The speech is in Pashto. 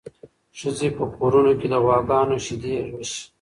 ښځې په کورونو کې د غواګانو شیدې لوشي.